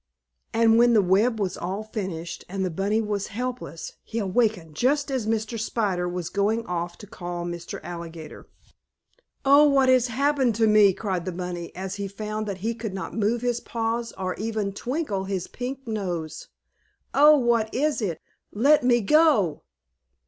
And when the web was all finished, and the bunny was helpless, he awakened just as Mr. Spider was going off to call Mr. Alligator. "Oh, what has happened to me?" cried the bunny, as he found he could not move his paws or even twinkle his pink nose. "Oh, what is it? Let me go!"